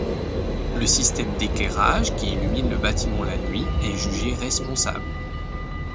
Le système d'éclairage qui illumine le bâtiment la nuit est jugé responsable.